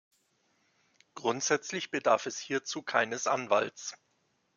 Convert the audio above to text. Grundsätzlich bedarf es hierzu keines Anwalts.